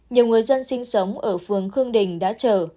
nhiều người dân sinh sống ở phường khương đình đã chờ